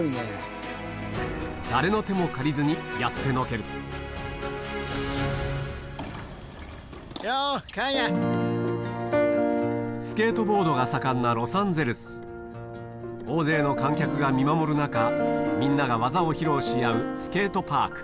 誰の手も借りずにやってのけるスケートボードが盛んなロサンゼルス大勢の観客が見守る中みんなが技を披露し合う